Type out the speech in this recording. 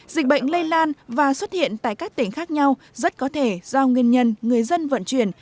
dịch bệnh lây lan và xuất hiện tại các tỉnh khác nhau rất có thể do nguyên nhân người dân vận chuyển